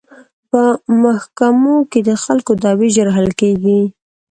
په محکمو کې د خلکو دعوې ژر حل کیږي.